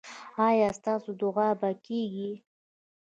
ایا ستاسو دعا به کیږي؟